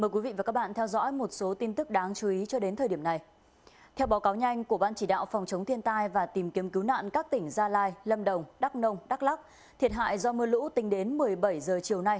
cảm ơn các bạn đã theo dõi